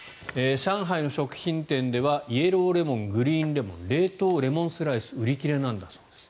上海の食品店ではイエローレモン、グリーンレモン冷凍レモンスライス売り切れなんだそうです。